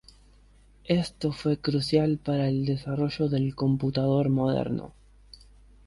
Esto fue crucial para el desarrollo del computador moderno.